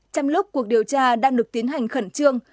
trong lúc cuộc điều tra đang được tiến hành khẩn trương